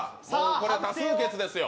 これは多数決ですよ。